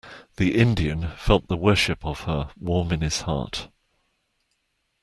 The Indian felt the worship of her warm in his heart.